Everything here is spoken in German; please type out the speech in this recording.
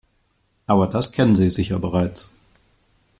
Aber das kennen Sie sicher bereits.